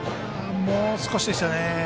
もう少しでしたね。